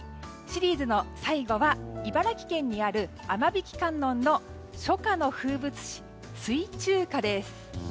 シリーズの最後は茨城県にある雨引観音の初夏の風物詩、水中華です。